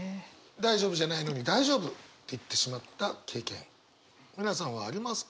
大丈夫じゃないのに大丈夫って言ってしまった経験皆さんはありますか？